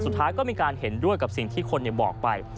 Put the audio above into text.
สุดท้ายก็มีการเห็นด้วยกับสิ่งที่คนบอกไป